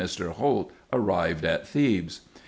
Mr. Holt, arrived at Thebes.